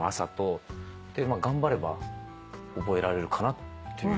頑張れば覚えられるかなっていう。